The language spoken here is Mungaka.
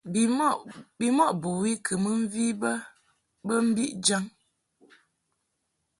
Bimɔʼ bɨwi kɨ mɨ mvi bə mbi jaŋ.